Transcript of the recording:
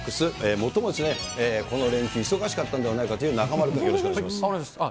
もっともですね、この連休、忙しかったんではないかという中丸君、よろしくお願い分かりました。